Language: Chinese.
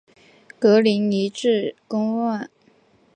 格林尼治宫苑。